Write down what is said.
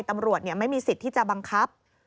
ตำรวจไม่มีสิทธิ์ที่จะบังคับ